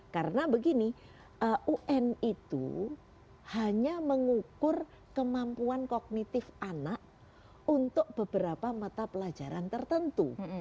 karena begini un itu hanya mengukur kemampuan kognitif anak untuk beberapa mata pelajaran tertentu